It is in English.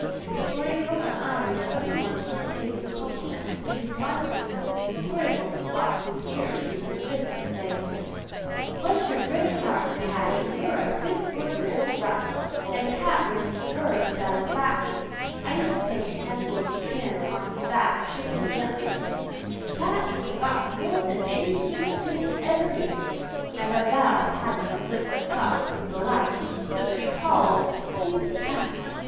The Story Girl and I were the only ones who could pay him compliments to his liking. The Story Girl would box his ears with her fist and say, "Bless your gray heart, Paddy, you're a good sort of old rascal," and Pat would purr his satisfaction; I used to take a handful of the skin on his back, shake him gently and say, "Pat, you've forgotten more than any human being ever knew," and I vow Paddy would lick his chops with delight. But to be called "a sweet cat!"